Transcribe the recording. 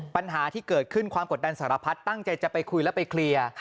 ปัญหาที่เกิดขึ้นความกดดันสารพัดตั้งใจจะไปคุยแล้วไปเคลียร์